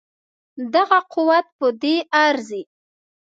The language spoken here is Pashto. دغه قوت په دې ارزي.